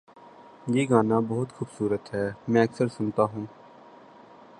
یہ گانا بہت خوبصورت ہے، میں اکثر سنتا ہوں